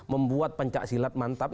membuat pencaksilat mantap